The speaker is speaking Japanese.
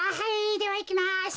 ではいきます。